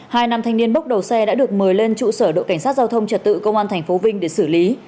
hai nam thanh niên bốc đầu xe đã được mời lên trụ sở đội cảnh sát giao thông trật tự công an tp vinh để xử lý